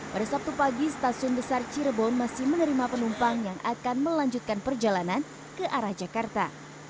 pada sabtu pagi stasiun besar cirebon masih menerima penumpang yang akan melanjutkan perjalanan ke arah jakarta